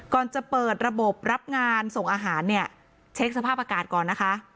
ก่อนจะเปิดระบบรับงานส่งอาหารเนี่ยเช็คสภาพอากาศก่อนนะคะ